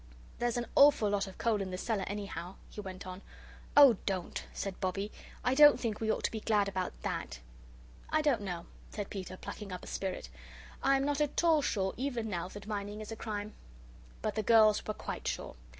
"There's an awful lot of coal in the cellar, anyhow," he went on. "Oh, don't!" said Bobbie. "I don't think we ought to be glad about THAT." "I don't know," said Peter, plucking up a spirit. "I'm not at all sure, even now, that mining is a crime." But the girls were quite sure.